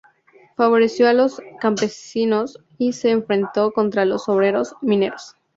Favoreció a los campesinos y se enfrentó contra los obreros y mineros.